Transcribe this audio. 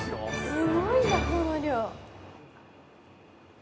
すごいなこの量。